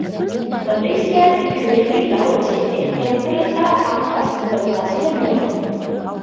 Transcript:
Malaysia dikelilingi laut cetek yang terletak atas pentas benua.